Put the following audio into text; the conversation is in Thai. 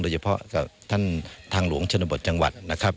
เฉพาะกับท่านทางหลวงชนบทจังหวัดนะครับ